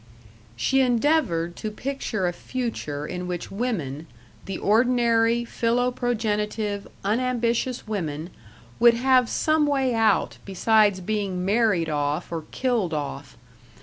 She endeavored to picture a future in which women, the ordinary, philoprogenitive, unambitious women, would have some way out besides being married off or killed off.